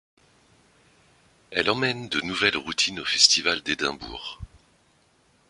Elle emmène de nouvelles routines au Festival d’Édimbourg.